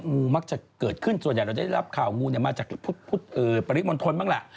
งูมักจะเกิดขึ้นส่วนใหญ่เราได้รับข่าวงูมาจากปริมณฑลบ้างล่ะ